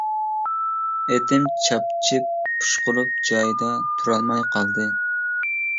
ئېتىم چاپچىپ، پۇشقۇرۇپ جايىدا تۇرالماي قالدى.